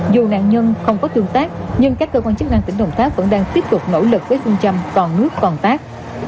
dù nạn nhân không có tương tác nhưng các cơ quan chức năng tỉnh đồng tháp vẫn đang tiếp tục nỗ lực với phương châm còn nước còn tác